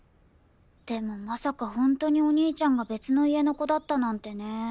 でもまさか本当にお兄ちゃんが別の家の子だったなんてね。